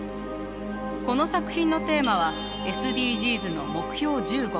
この作品のテーマはＳＤＧｓの目標